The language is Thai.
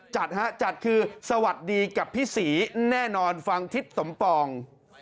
จัดฮะจัดคือสวัสดีกับพี่ศรีแน่นอนฟังทิศสมปอง